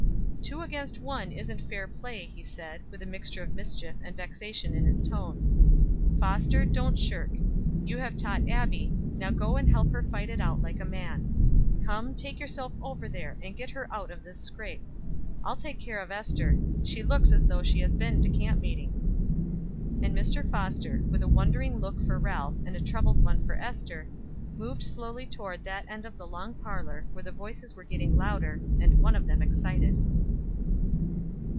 "Two against one isn't fair play," he said, with a mixture of mischief and vexation in his tone. "Foster, don't shirk; you have taught Abbie, now go and help her fight it out like a man. Come, take yourself over there and get her out of this scrape. I'll take care of Ester; she looks as though she had been to camp meeting." And Mr. Foster, with a wondering look for Ralph and a troubled one for Ester, moved slowly toward that end of the long parlor where the voices were growing louder, and one of them excited.